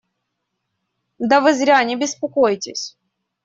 Да вы зря не беспокойтесь.